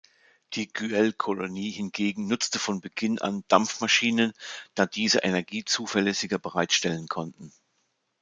Die Güell-Kolonie hingegen nutzte von Beginn an Dampfmaschinen, da diese Energie zuverlässiger bereitstellen konnten.